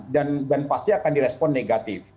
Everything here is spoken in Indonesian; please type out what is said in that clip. dan pasti akan direspon negatif